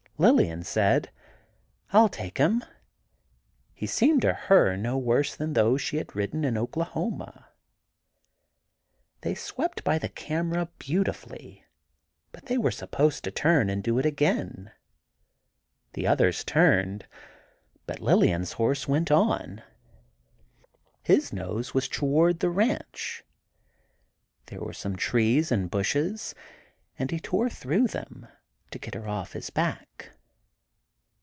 Lillian said, "I'll take him." He seemed to her no worse than those she had ridden in Oklahoma. They swept by the camera beautifully, but they were supposed to turn and do it again. The others turned, but Lillian's horse went on. His nose was toward the ranch. There were some trees and bushes, and he tore through them, to get her off his back.